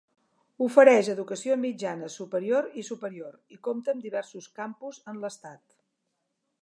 Ofereix educació mitjana superior i superior, i compta amb diversos campus en l'estat.